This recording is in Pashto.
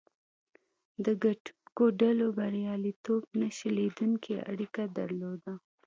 د ګټونکو ډلو بریالیتوب نه شلېدونکې اړیکه درلوده.